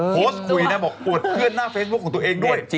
โพสต์คุยนะบอกอวดเพื่อนหน้าเฟซบุ๊คของตัวเองด้วย